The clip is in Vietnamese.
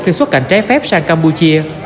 khi xuất cảnh trái phép sang campuchia